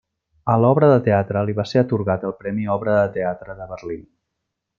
A l'obra de teatre li va ser atorgat el Premi Obra de Teatre de Berlín.